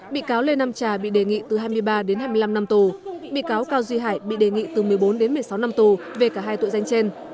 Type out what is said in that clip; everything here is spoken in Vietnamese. bị cáo lê nam trà bị đề nghị từ hai mươi ba đến hai mươi năm năm tù bị cáo cao duy hải bị đề nghị từ một mươi bốn đến một mươi sáu năm tù về cả hai tội danh trên